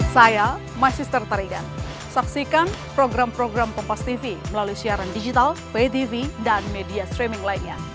saya my sister tarigan saksikan program program kompastv melalui siaran digital btv dan media streaming lainnya